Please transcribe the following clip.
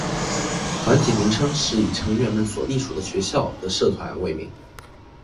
团体名称是以成员们所隶属的学校的社团为名。